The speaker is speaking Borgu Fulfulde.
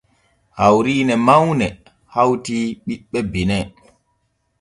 Hawriine mawne hawti ɓiɓɓe leydi benin.